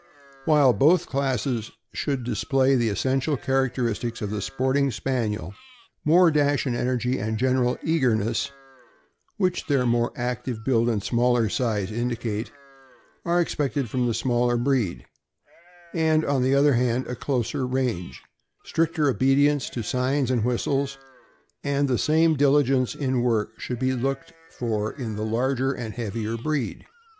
While both classes should display the essential characteristics of the sporting Spaniel, more dash and energy, and general eagerness (which their more active build and smaller size indicate), are expected from the smaller breed; and, on the other hand, a closer range, stricter obedience to signs and whistles, and the same dili gence in work should be looked for in the larger and heavier breed.